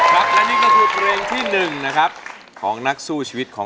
แต่พอเจอกับเธอ